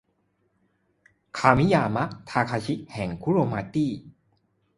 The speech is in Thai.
คามิยามะ ทาคาชิ แห่ง คุโรมาตี้